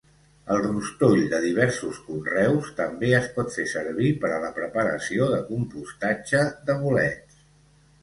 El rostoll de diversos conreus també es pot fer servir per a la preparació de compostatge de bolets.